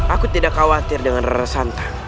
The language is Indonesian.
aku tidak khawatir dengan rara santan